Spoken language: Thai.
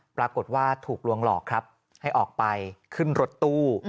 ปรากฏว่าถูกลวงหลอกครับให้ออกไปขึ้นรถตู้